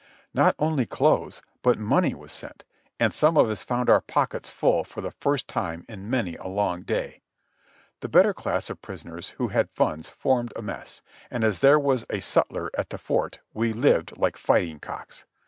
Not only clothes, but money was sent; and some of us found our pockets full for the first time in many a long day. The better class of prisoners who had funds formed a mess, and as there was a sutler at the Fort we lived like fighting cocks.